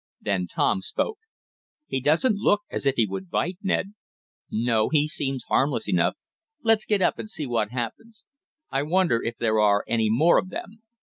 Then Tom spoke. "He doesn't look as if he would bite, Ned." "No, he seems harmless enough. Let's get up, and see what happens. I wonder if there are any more of them?